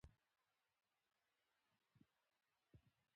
ایا نجونې پوهېږي چې زده کړه د ټولنیز باور سبب کېږي؟